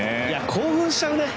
興奮しちゃうね！